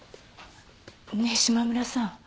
ねえ島村さん